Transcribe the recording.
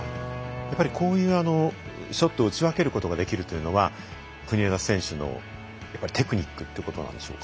こういうショットを打ち分けることができるというのは国枝選手のテクニックということなんでしょうか？